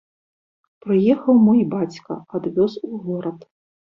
Прыехаў мой бацька, адвёз у горад.